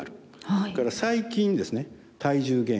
それから最近ですね体重減少。